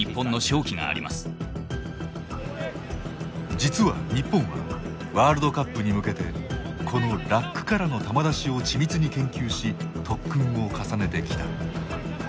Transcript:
実は日本はワールドカップに向けてこのラックからの球出しを緻密に研究し特訓を重ねてきた。